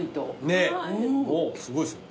ねえすごいですね。